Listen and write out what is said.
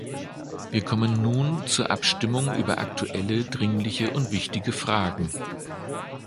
Wir kommen nun zur Abstimmung über aktuelle, dringliche und wichtige Fragen.